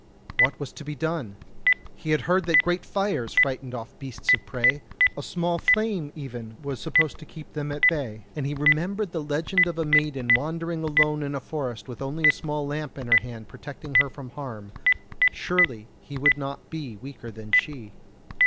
What was to be done? He had heard that great fires frightened off beasts of prey a small flame even was supposed to keep them at bay; and he remembered the legend of a maiden wandering alone in a forest with only a small lamp in her hand protecting her from harm, surely he would not be weaker than she.